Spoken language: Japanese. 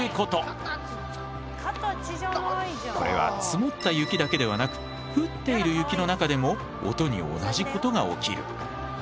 これは積もった雪だけではなく降っている雪の中でも音に同じことが起きる。